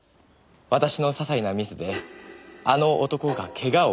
「私のささいなミスであの男が怪我をした」